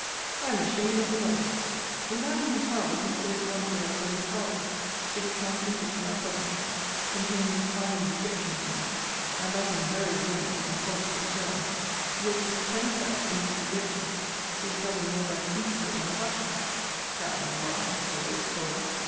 I am ashamed of them all. * See Letter LV. of this volume. In that of Miss Howe was enclosed one to her from Miss Harlowe,* to be transmitted to my cousins, containing a final rejection of me; and that in very vehement and positive terms; yet she pretends that, in this rejection, she is governed more by principle than passion [D d lie, as ever was told!